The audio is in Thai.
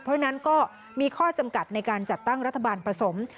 เพราะฉะนั้นก็มีข้อจำกัดในการจัดตั้งรัฐบาลผสม